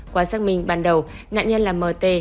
quá xác minh ban đầu nạn nhân là m t